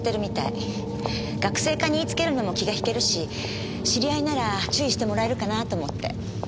学生課に言いつけるのも気が引けるし知り合いなら注意してもらえるかなぁと思って。